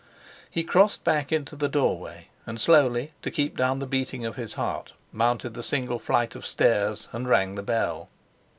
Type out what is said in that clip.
He crossed back into the doorway, and, slowly, to keep down the beating of his heart, mounted the single flight of stairs and rang the bell.